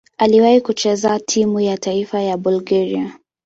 Aliwahi kucheza timu ya taifa ya Bulgaria.